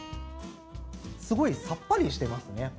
すごいさっぱりしてますね。